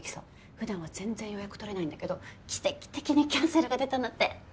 普段は全然予約取れないんだけど奇跡的にキャンセルが出たんだって。